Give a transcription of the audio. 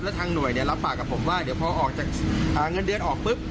แล้วทางหน่วยรับปากกับผมว่าเดี๋ยวพอออกจากเงินเดือนออกปุ๊บ